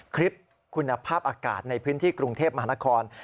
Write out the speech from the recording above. คลิปคุณภาพอากาศในพื้นที่กรุงเทพมหานคร